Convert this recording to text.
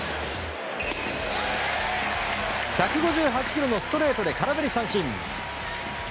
１５８キロのストレートで空振り三振。